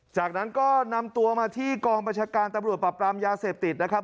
จากนั้นก็นำตัวมาที่กองประชาการตำรวจปรับปรามยาเสพติดนะครับ